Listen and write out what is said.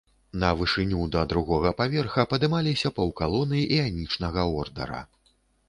На вышыню да другога паверха падымаліся паўкалоны іанічнага ордара.